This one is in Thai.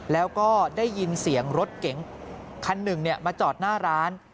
แล้วก็ได้ยินเสียงรถเก๋งคันหนึ่งมาจอดหน้าร้าน